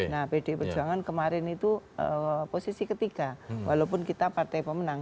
nah pdi perjuangan kemarin itu posisi ketiga walaupun kita partai pemenang